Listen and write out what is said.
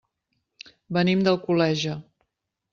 Venim d'Alcoleja.